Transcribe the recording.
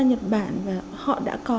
nhật bản và họ đã có